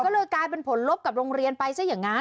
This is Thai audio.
ก็เลยกลายเป็นผลลบกับโรงเรียนไปซะอย่างนั้น